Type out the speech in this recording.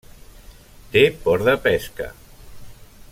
Té port de pesca.